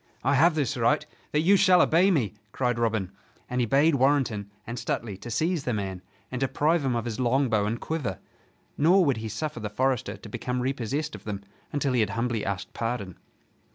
"I have this right, that you shall obey me!" cried Robin, and he bade Warrenton and Stuteley to seize the man and deprive him of his longbow and quiver. Nor would he suffer the forester to become repossessed of them until he had humbly asked pardon.